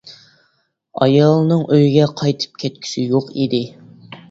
ئايالنىڭ ئۆيىگە قايتىپ كەتكۈسى يوق ئىدى.